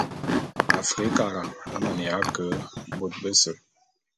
Afrikara a maneya ke bôt bese.